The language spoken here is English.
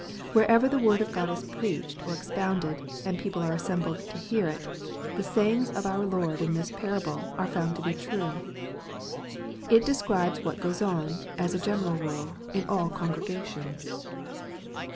Wherever the word of God is preached or expounded, and people are assembled to hear it, the sayings of our Lord in this parable are found to be true. It describes what goes on, as a general rule, in all congregations.